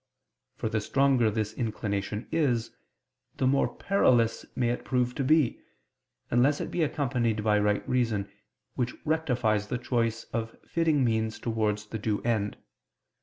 For the stronger this inclination is, the more perilous may it prove to be, unless it be accompanied by right reason, which rectifies the choice of fitting means towards the due end.